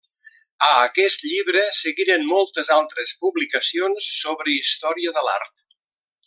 A aquest llibre seguiren moltes altres publicacions sobre història de l'art.